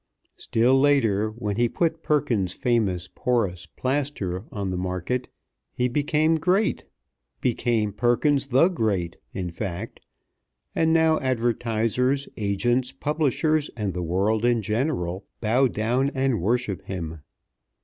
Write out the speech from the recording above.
Still later, when he put Perkins's Patent Porous Plaster on the market, he became great; became Perkins the Great, in fact; and now advertisers, agents, publishers, and the world in general, bow down and worship him.